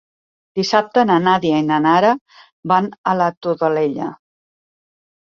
Dissabte na Nàdia i na Nara van a la Todolella.